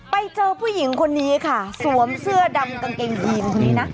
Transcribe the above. ไปเจอผู้หญิงคนนี้ค่ะสวมเสื้อดำกางเกงยีนคนนี้นะ